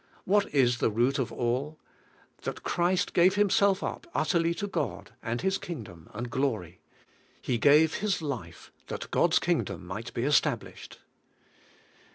What is the root of all? That Christ gave Himself up utterly to God, and His Kingdom and glory. He gave His life, that God's Kingdom might be established.